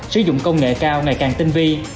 sử dụng công nghệ cao ngày càng tinh vi